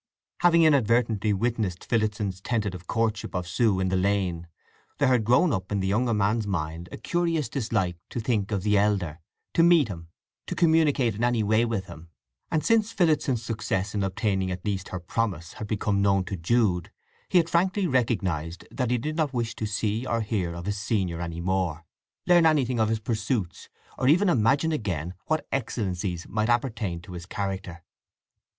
Having inadvertently witnessed Phillotson's tentative courtship of Sue in the lane there had grown up in the younger man's mind a curious dislike to think of the elder, to meet him, to communicate in any way with him; and since Phillotson's success in obtaining at least her promise had become known to Jude, he had frankly recognized that he did not wish to see or hear of his senior any more, learn anything of his pursuits, or even imagine again what excellencies might appertain to his character.